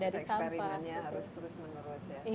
jadi mungkin harus eksperimennya harus terus menerus ya